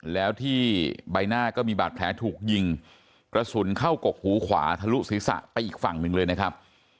แล้วที่ใบหน้าก็มีบาดแผลถูกยิงกระสุนเข้ากกหูขวาทะลุศีรษะไปอีกฝั่งหนึ่งเลยนะครับ